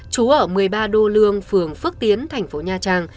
chú ở một mươi ba đô lương phường phước tiến thành phố nha trang